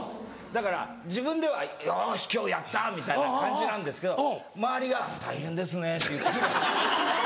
だから自分では「よし今日やった！」みたいな感じなんですけど周りが「大変ですね」って言って来て。